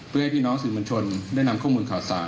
เพื่อให้พี่น้องสื่อมวลชนได้นำข้อมูลข่าวสาร